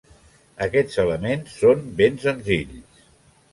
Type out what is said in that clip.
Aquests elements són ben senzills.